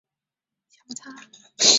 时常发生小摩擦